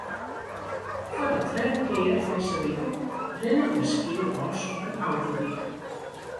Foar de tredde kear dizze wike rinne der skiep los op in autodyk.